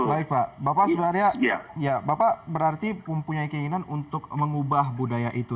baik pak bapak sebenarnya ya bapak berarti mempunyai keinginan untuk mengubah budaya itu